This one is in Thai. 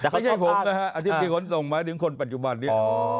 ไม่ใช่ผมนะฮะอธิบดีขนส่งหมายถึงคนปัจจุบันนี้